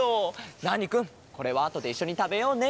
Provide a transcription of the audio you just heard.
ナーニくんこれはあとでいっしょにたべようね。